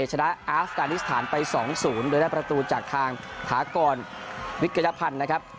ชนะอาฟการิสถานไปสองศูนย์โดยได้ปรัสตรูจากทางถากรวิธีกัณฑ์พันธุ์นะครับ